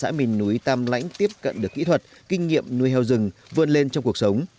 xã miền núi tam lãnh tiếp cận được kỹ thuật kinh nghiệm nuôi heo rừng vươn lên trong cuộc sống